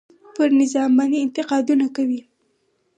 پر نظام باندې انتقادونه کوي.